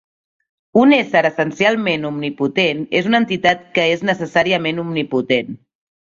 Un ésser essencialment omnipotent és una entitat que és necessàriament omnipotent.